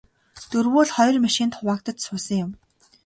Дөрвүүл хоёр машинд хуваагдаж суусан юм.